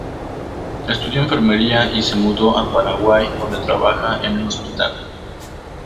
Estudio enfermería y se mudó a Paraguay donde trabaja en un hospital.